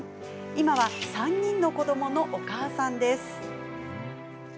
今は３人の子どものお母さんです。